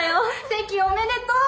関おめでとう！